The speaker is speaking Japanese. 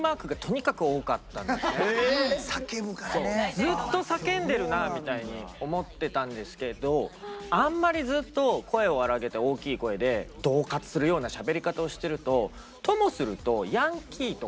「ずっと叫んでるなぁ」みたいに思ってたんですけどあんまりずっと声を荒げて大きい声でどう喝するようなしゃべり方をしてるとともするとあ！